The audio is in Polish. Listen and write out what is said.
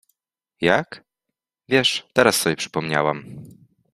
— Jak? — Wiesz, teraz sobie przypomniałam.